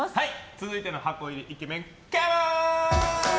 続いての箱入りイケメンカモン！